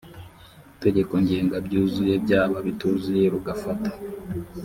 tegeko ngenga byuzuye byaba bituzuye rugafata